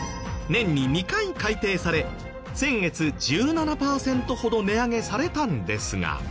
年に２回改定され先月１７パーセントほど値上げされたんですが。